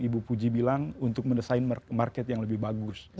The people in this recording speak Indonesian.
ibu puji bilang untuk mendesain market yang lebih bagus